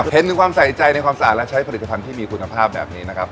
เห็นถึงความใส่ใจในความสะอาดและใช้ผลิตภัณฑ์ที่มีคุณภาพแบบนี้นะครับ